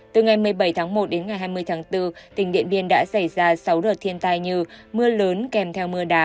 từ ngày một mươi bảy tháng một đến ngày hai mươi tháng bốn tỉnh điện biên đã xảy ra sáu đợt thiên tai như mưa lớn kèm theo mưa đá